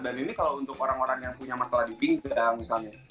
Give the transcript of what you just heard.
dan ini kalau untuk orang orang yang punya masalah di pinggang misalnya